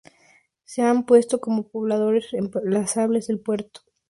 Se han propuesto como probables emplazamientos del puerto de Drake más de veinte lugares.